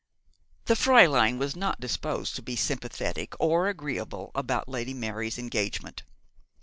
The Fräulein was not disposed to be sympathetic or agreeable about Lady Mary's engagement.